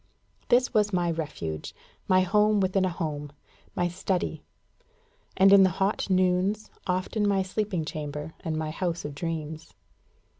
This was my refuge, my home within a home, my study and, in the hot noons, often my sleeping chamber, and my house of dreams.